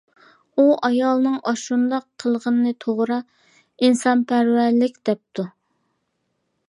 ئۇ ئايالنىڭ ئاشۇنداق قىلغىنى توغرا، ئىنسانپەرۋەرلىك دەپتۇ.